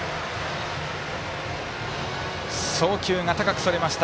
送球が高くそれました。